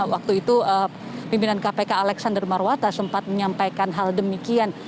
waktu itu pimpinan kpk alexander marwata sempat menyampaikan hal demikian